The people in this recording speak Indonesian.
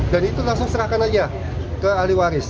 dan itu langsung serahkan aja ke ahli waris